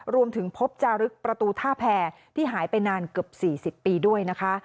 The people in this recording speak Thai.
รวมถึงพบจารึกประตูท่าแพรที่หายไปนานเกือบ๔๐ปีด้วยนะคะ